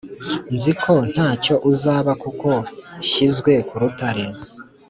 Nziko ntacyo nzaba kuko nshyizwe ku rutare